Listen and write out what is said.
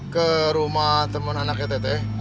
ke rumah temen anaknya teteh